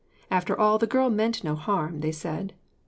After all the girl meant no harm, they said.